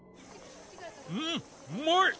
うんうまい！